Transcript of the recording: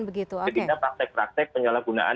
begitu sehingga praktek praktek penyalahgunaan